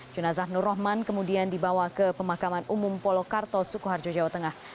jenazah nur rohman kemudian dibawa ke pemakaman umum polo karto sukoharjo jawa tengah